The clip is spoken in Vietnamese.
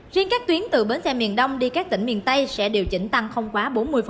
riêng các tuyến từ bến xe miền đông đi các tỉnh miền tây sẽ điều chỉnh tăng không quá bốn mươi